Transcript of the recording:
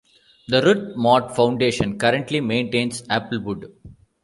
The Ruth Mott Foundation currently maintains Applewood.